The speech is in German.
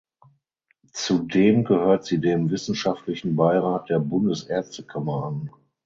Zudem gehört sie dem Wissenschaftlichen Beirat der Bundesärztekammer an.